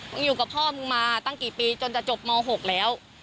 อยู่กับพ่อมึงมาตั้งกี่ปีจนจะจบม๖แล้ว